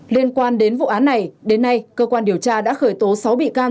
liên quan đến vụ án này đến nay cơ quan điều tra đã khởi tố sáu bị can